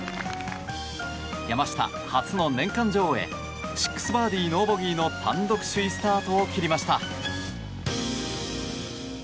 山下、初の年間女王へ６バーディー、ノーボギーの単独首位スタートを切りました。